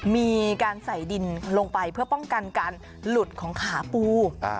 มีการใส่ดินลงไปเพื่อป้องกันการหลุดของขาปู